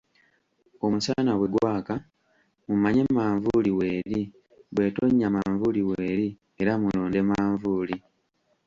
Omusana bwegwaka, mumanye manvuuli w'eri, bw'etonnya manvuuli w'eri era mulonde manvuuli.